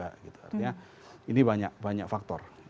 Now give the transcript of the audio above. artinya ini banyak faktor